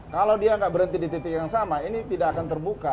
kalau dia tidak berhenti di titik yang sama ini tidak akan terbuka